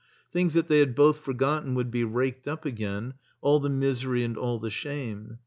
Things that they had both forgotten would be raked up again, all the misery and all the shame.